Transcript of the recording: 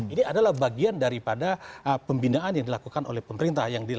ini adalah bagian daripada pembinaan yang dilakukan oleh pemerintah